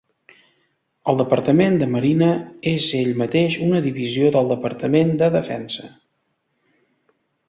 El Departament de Marina és ell mateix una divisió del Departament de Defensa.